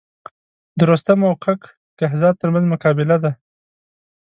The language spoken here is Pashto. د رستم او کک کهزاد تر منځ مقابله ده.